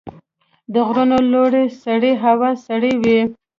د غرونو لوړې سرې هوا سړې وي.